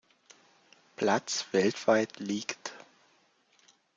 Platz weltweit liegt.